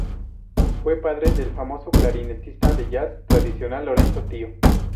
Fue padre del famoso clarinetista de jazz tradicional, Lorenzo Tio.